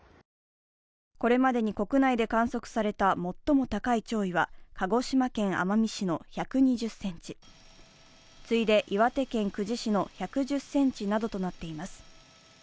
これまでに国内で観測された最も高い潮位は鹿児島県奄美市の１２０ｃｍ、次いで岩手県久慈市の１１０ｃｍなどとなっています。